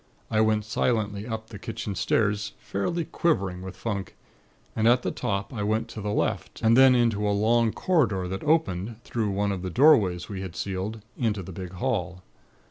I went silently up the kitchen stairs, fairly quivering with funk; and at the top, I went to the left, and then into a long corridor that opened, through one of the doorways we had sealed, into the big hall.